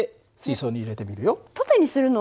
縦にするの？